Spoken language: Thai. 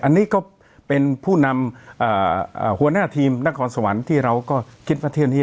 อันนี้ก็เป็นผู้นำหัวหน้าทีมนครสวรรค์ที่เราก็คิดว่าเที่ยวนี้